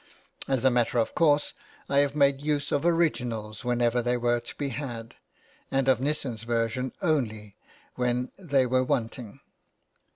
As a matter of course, I have made use of originals whenever they were to be had, and of Nissen's version only when they were wanting.